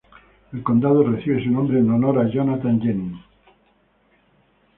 El condado recibe su nombre en honor a Jonathan Jennings.